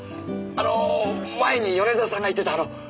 あの前に米沢さんが言ってた敬愛する刑事！